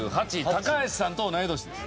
高橋さんと同い年です。